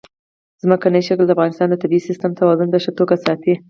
ځمکنی شکل د افغانستان د طبعي سیسټم توازن په ښه توګه ساتي.